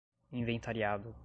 inventariado